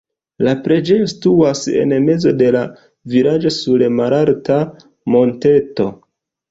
La preĝejo situas en mezo de la vilaĝo sur malalta monteto.